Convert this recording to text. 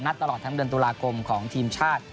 ตลอดทั้งเดือนตุลาคมของทีมชาติ